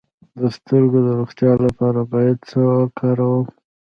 د سترګو د روغتیا لپاره باید څه وکاروم؟